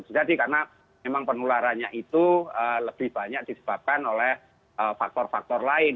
jadi karena memang penularannya itu lebih banyak disebabkan oleh faktor faktor lain